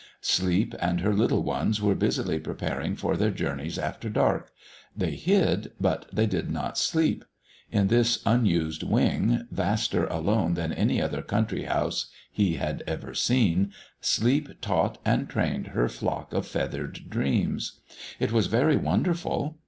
Sleep and her Little Ones were busily preparing for their journeys after dark; they hid, but they did not sleep; in this unused Wing, vaster alone than any other country house he had ever seen, Sleep taught and trained her flock of feathered Dreams. It was very wonderful.